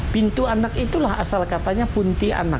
pintu anak itulah asal katanya puntianak